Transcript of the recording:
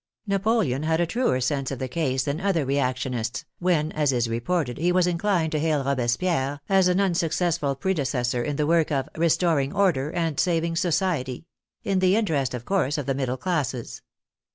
Napoleon had a truer sense of the case than other Reactionists, when, as is reported, he was inclined to hail Robespierre as an unsuccessful predecessor in the work of " restoring order " and " saving society "— in the interest, of course, of the middle classes.